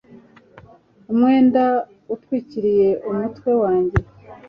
Umwenda utwikiriye umutwe wanjye